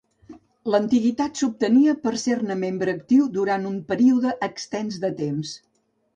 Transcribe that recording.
L'antiguitat s'obtenia per ser-ne membre actiu durant un període extens de temps.